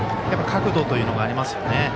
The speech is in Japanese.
角度というのがありますよね。